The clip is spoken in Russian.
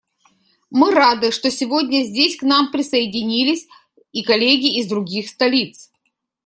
Мы рады, что сегодня здесь к нам присоединились и коллеги из других столиц.